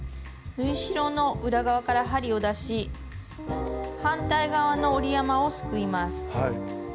縫い代の裏側から針を出し反対側の折り山をすくいます。